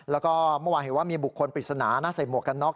แล้วก็เมื่อวานเห็นว่ามีบุคคลปริศนาน่าใส่หมวกกันน็